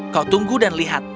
kau tunggu dan lihat